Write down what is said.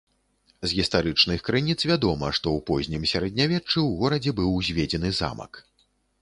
З гістарычных крыніц вядома, што ў познім сярэднявеччы ў горадзе быў узведзены замак.